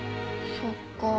そっか。